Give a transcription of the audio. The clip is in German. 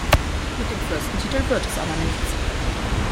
Mit dem Fürstentitel wird es aber nichts.